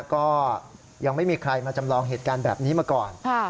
ก็ยังไม่มีใครมาจำลองเหตุการณ์แบบนี้มาก่อน